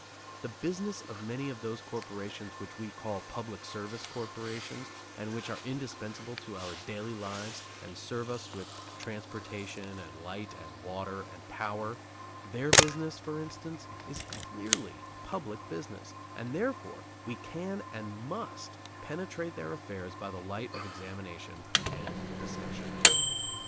The business of many of those corporations which we call public service corporations, and which are indispensable to our daily lives and serve us with transportation and light and water and power, their business, for instance, is clearly public business; and, therefore, we can and must penetrate their affairs by the light of examination and discussion.